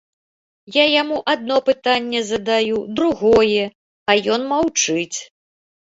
Я яму адно пытанне задаю, другое, а ён маўчыць.